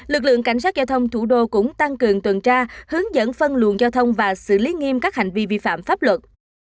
lực lượng cảnh sát giao thông thủ đô cũng tăng cường tuần tra hướng dẫn phân luồng giao thông và xử lý nghiêm các hành vi vi phạm pháp luật